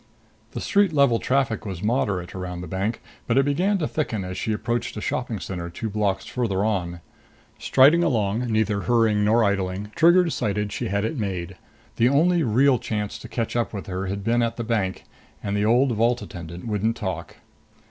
The street level traffic was moderate around the bank, but it began to thicken as she approached a shopping center two blocks farther on. Striding along, neither hurrying nor idling, Trigger decided she had it made. The only real chance to catch up with her had been at the bank. And the old vault attendant wouldn't talk.